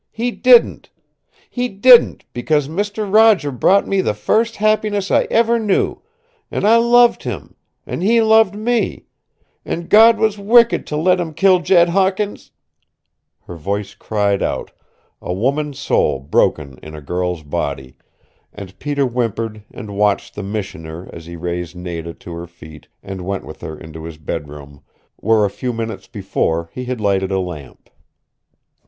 He didn't he didn't because Mister Roger brought me the first happiness I ever knew, an' I loved him, an' he loved me an' God was wicked to let him kill Jed Hawkins " Her voice cried out, a woman's soul broken in a girl's body, and Peter whimpered and watched the Missioner as he raised Nada to her feet and went with her into his bedroom, where a few minutes before he had lighted a lamp.